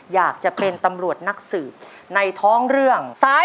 ลูกจะพูดว่าทุจลิดหรือเปล่า